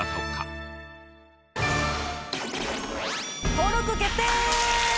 登録決定！